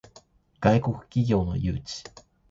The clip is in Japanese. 外国企業の誘致